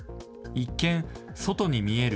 一見、外に見える